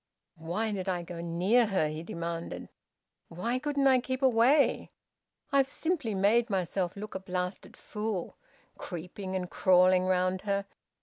"Why did I go near her?" he demanded. "Why couldn't I keep away? I've simply made myself look a blasted fool! Creeping and crawling round her!